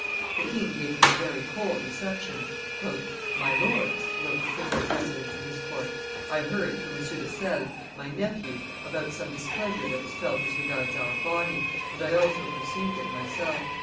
The king gave him a very cold reception. "My lords," wrote the premier president to his court, "I heard, through M. de Selve, my nephew, about some displeasure that was felt as regards our body, and I also perceived it myself.